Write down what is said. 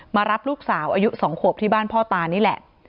มารับลูกสาวอายุ๒ขวบที่บ้านพ่อตานี่แหละ